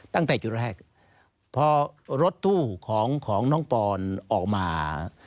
ตั้งแต่จุดแรกพอรถตู้ของน้องปอนออกมา